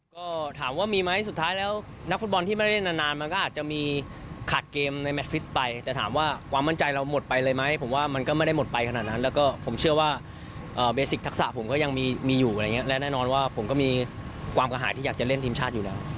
ผมก็ยังมีอยู่อะไรอย่างนี้และแน่นอนว่าผมก็มีความกระหายที่อยากจะเล่นทีมชาติอยู่แล้ว